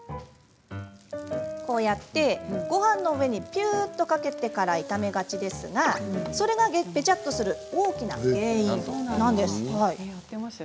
こうやってごはんの上にピューッとかけてから炒めがちですがそれがベチャッとする大きな原因なんです。